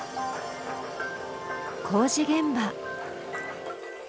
工事現場。